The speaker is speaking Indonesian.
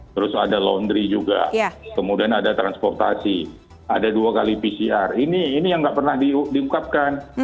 terus ada laundry juga kemudian ada transportasi ada dua kali pcr ini yang nggak pernah diungkapkan